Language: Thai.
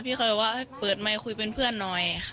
พี่เขาเลยว่าให้เปิดไมคุยเป็นเพื่อนหน่อยค่ะ